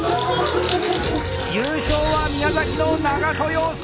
優勝は宮崎の長渡洋介！